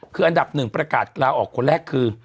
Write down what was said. คืออันดับหนึ่งประกาศลาออกคนแรกคือ